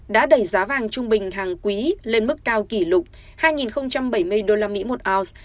đã đẩy giá vàng trung bình hàng quý lên mức cao kỷ lục hai bảy mươi usd một ounce